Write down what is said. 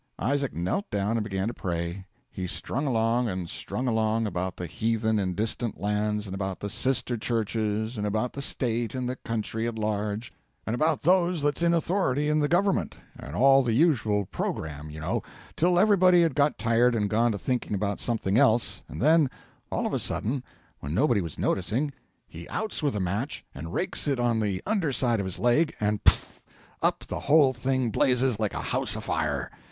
Isaac knelt down and began to pray: he strung along, and strung along, about the heathen in distant lands, and about the sister churches, and about the state and the country at large, and about those that's in authority in the government, and all the usual programme, you know, till everybody had got tired and gone to thinking about something else, and then, all of a sudden, when nobody was noticing, he outs with a match and rakes it on the under side of his leg, and pff! up the whole thing blazes like a house afire!